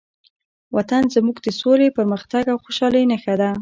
وطن زموږ د سولې، پرمختګ او خوشحالۍ نښه ده.